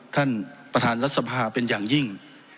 ท่านประธานรัฐสภาเป็นอย่างยิ่ง